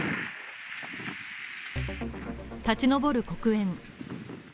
立ち上る黒煙。